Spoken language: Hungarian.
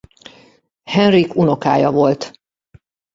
Henrik unokája volt.